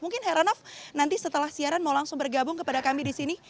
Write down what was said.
mungkin heranov nanti setelah siaran mau langsung bergabung kepada kami di sini